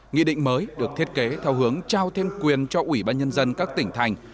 nghị định mới được thiết kế theo hướng trao thêm quyền cho ủy ban nhân dân các tỉnh thành